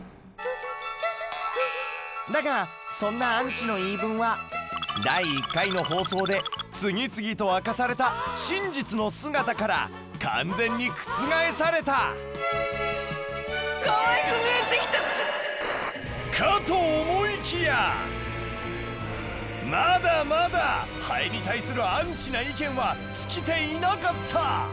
だがそんなアンチの言い分は第１回の放送で次々と明かされた真実の姿から完全に覆された！かと思いきやまだまだハエに対するアンチな意見は尽きていなかった！